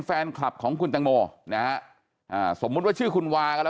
แฟนคลับของคุณตังโมฮ่าวนะฮะสมมติว่าชื่อคุณวานะล่ะ